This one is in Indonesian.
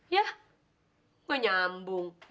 yah gue nyambung